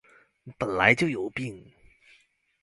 本來就有病